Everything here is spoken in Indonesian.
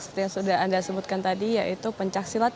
seperti yang sudah anda sebutkan tadi yaitu pencaksilat